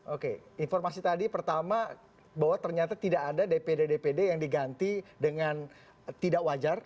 oke informasi tadi pertama bahwa ternyata tidak ada dpd dpd yang diganti dengan tidak wajar